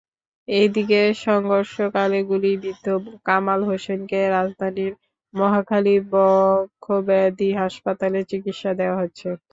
এদিকে সংঘর্ষকালে গুলিবিদ্ধ কামাল হোসেনকে রাজধানীর মহাখালী বক্ষব্যাধি হাসপাতালে চিকিৎসা দেওয়া হচ্ছে।